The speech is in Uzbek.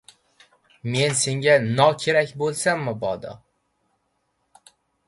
Men senga nokerak bo‘lsam mabodo